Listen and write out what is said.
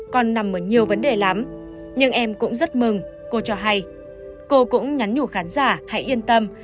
còn nằm ở nhiều vấn đề lắm nhưng em cũng rất mừng cô cho hay cô cũng nhắn nhủ khán giả hãy yên tâm